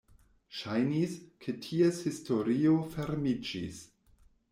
Ŝajnis, ke ties historio fermiĝis.